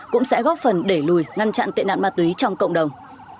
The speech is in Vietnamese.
cũng sẽ góp phần để lùi ngăn chặn tệ nạn ma túy trong cộng đồng